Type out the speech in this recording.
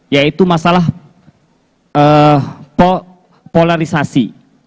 yaitu masalah polarisasi